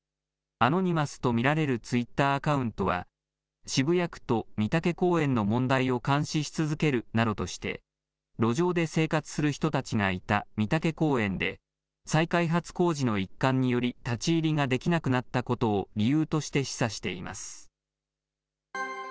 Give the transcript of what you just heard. アノニマスと見られるツイッターアカウントは、渋谷区と美竹公園の問題を監視し続けるなどとして、路上で生活する人たちがいた美竹公園で、再開発工事の一環により、立ち入りができなくなったことを理由として示唆しています。